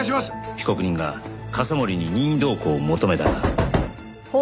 被告人が笠森に任意同行を求めたが。